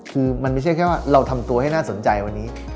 คือมันไม่ใช่แค่ว่าเราทำตัวให้น่าสนใจวันนี้